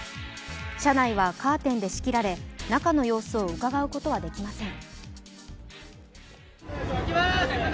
車内はカーテンで仕切られ、中の様子をうかがうことはできません。